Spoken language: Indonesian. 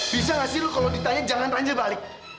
bisa nggak sih lu kalau ditanya jangan terang terang balik